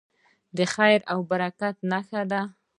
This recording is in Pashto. د خیر او برکت نښه ده.